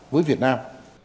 với việt nam